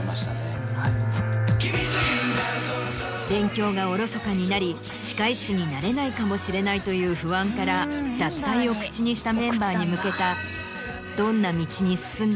勉強がおろそかになり歯科医師になれないかもしれないという不安から脱退を口にしたメンバーに向けた。